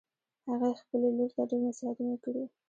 هغې خپلې لور ته ډېر نصیحتونه کړي